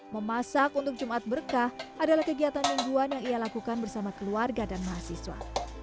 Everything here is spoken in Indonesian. memasak untuk jumat berkah adalah kegiatan mingguan yang ia lakukan bersama keluarga dan mahasiswa